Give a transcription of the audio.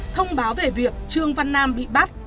thông báo về việc trương văn nam bị bắt